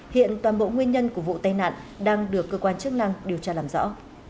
hiện toàn bộ nguyên nhân của vụ tai nạn đang được cơ quan chức năng điều tra làm rõ